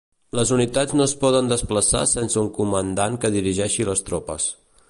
Les unitats no es poden desplaçar sense un comandant que dirigeixi les tropes.